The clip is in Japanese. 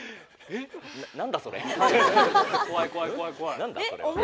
何だそれ。